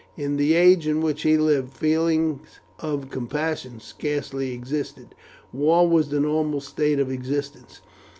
In the age in which he lived feelings of compassion scarcely existed. War was the normal state of existence.